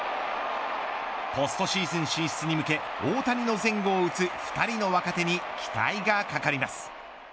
ポストシーズン進出に向け大谷の前後を打つ２人の若手に期待がかかります。